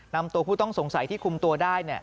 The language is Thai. นำตัวผู้ต้องสงสัยที่คุมตัวได้